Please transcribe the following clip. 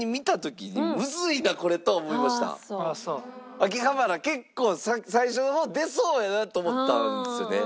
秋葉原は結構最初の方出そうやなと思ったんですよね。